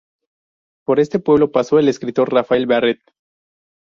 Por este pueblo paso el escritor Rafael Barret.